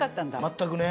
全くね。